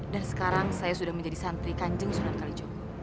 dan sekarang saya sudah menjadi santri kanjeng sunan kalijogo